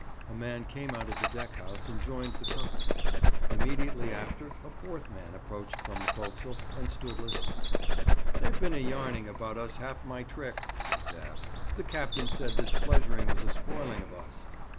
A man came out of the deck house and joined the company. Immediately after, a fourth man approached from the forecastle, and stood listening. 'They've been a yarning about us half my trick,' said Dabb. 'The captain said this pleasuring was a spoiling of us.'